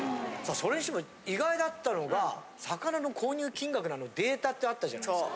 それにしても意外だったのが魚の購入金額のデータってあったじゃないですか。